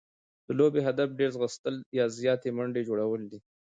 د لوبي هدف ډېر ځغستل يا زیاتي منډي جوړول دي.